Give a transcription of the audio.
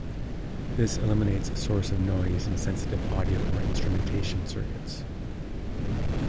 This eliminates a source of noise in sensitive audio or instrumentation circuits.